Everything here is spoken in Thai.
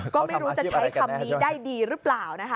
ก็ไม่รู้จะใช้คำนี้ได้ดีหรือเปล่านะคะ